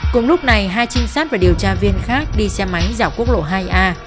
cùng lúc này hai trinh sát và điều tra viên khác đi xe máy dạo quốc lộ hai a